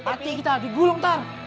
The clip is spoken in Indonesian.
hati kita digulung tar